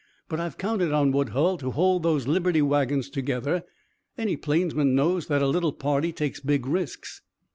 "But I've counted on Woodhull to hold those Liberty wagons together. Any plainsman knows that a little party takes big risks."